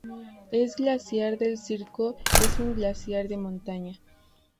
El glaciar de circo es un glaciar de montaña.